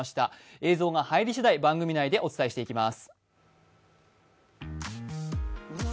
映像が入りしだい、番組内でお伝えしていきます。